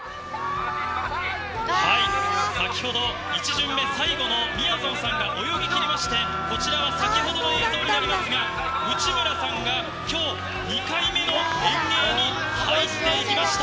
はい、先ほど１巡目最後のみやぞんさんが泳ぎきりまして、こちらは先ほどの映像になりますが、内村さんがきょう２回目の遠泳に入っていきました。